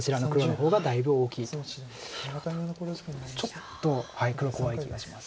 ちょっと黒怖い気がします。